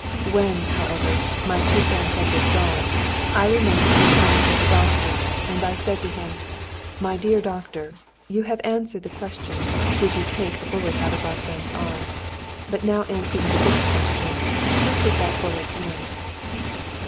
When, however, my two friends had withdrawn, I remained behind with the doctor, and I said to him, "My dear doctor, you have answered the question, did you take a bullet out of our friend's arm? but now answer me this question, who put that bullet in?"